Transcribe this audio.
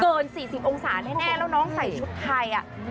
เกิน๔๐องศาแน่แล้วน้องใส่ชุดไทยอ่ะ